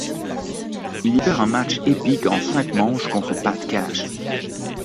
Il y perd un match épique en cinq manches contre Pat Cash.